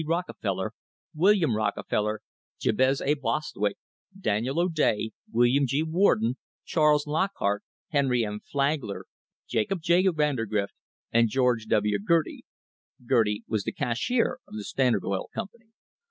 Rockefeller, William Rockefeller, Jabez A. Bostwick, Daniel O'Day, William G. Warden, Charles Lockhart, Henry M. Flagler, Jacob J. Vandergrift and George W. Girty. (Girty was the cashier of the Standard Oil Company.)